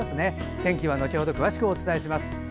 天気は後ほど詳しくお伝えします。